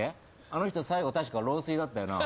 あの人最期確か老衰だったよな？